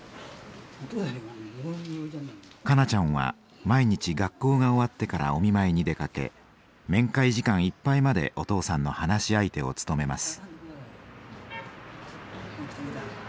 香菜ちゃんは毎日学校が終わってからお見舞いに出かけ面会時間いっぱいまでお父さんの話し相手を務めます。